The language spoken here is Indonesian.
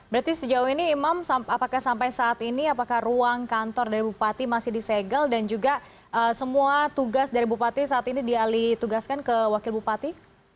berarti sejauh ini imam apakah sampai saat ini apakah ruang kantor dari bupati masih disegel dan juga semua tugas dari bupati saat ini dialih tugaskan ke wakil bupati